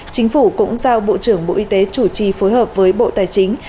chính phủ cũng giao bộ trưởng bộ y tế chủ trì phối hợp với bộ tài chính